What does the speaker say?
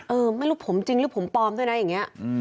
เออไม่รู้ผมจริงหรือผมปลอมด้วยนะอย่างนี้